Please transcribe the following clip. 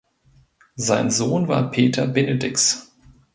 Sein Sohn war Peter Benedix.